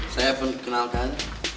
saya mau kenalkan